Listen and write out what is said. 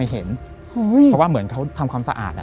เพราะว่าเหมือนเขาทำความสะอาด